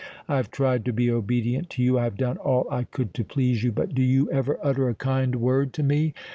I have tried to be obedient to you—I have done all I could to please you; but do you ever utter a kind word to me?